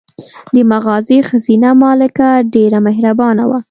د مغازې ښځینه مالکه ډېره مهربانه وه.